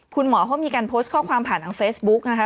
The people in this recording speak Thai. คุณหมอเขามีการโพสต์ข้อความผ่านทางเฟซบุ๊กนะคะ